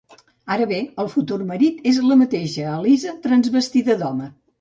Ara bé, el futur marit és la mateixa Elisa transvestida d’home.